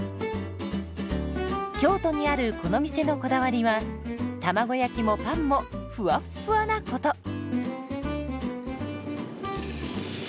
京都にあるこの店のこだわりは卵焼きもパンもふわっふわなこと。